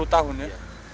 sepuluh tahun ya